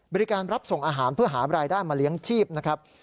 รับส่งอาหารเพื่อหารายได้มาเลี้ยงชีพนะครับ